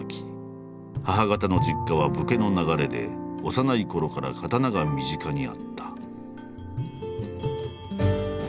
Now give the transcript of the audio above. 母方の実家は武家の流れで幼いころから刀が身近にあった。